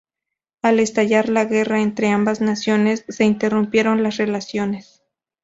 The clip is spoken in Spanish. Al estallar la guerra entre ambas naciones se interrumpieron las relaciones.